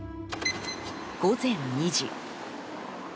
午前２時。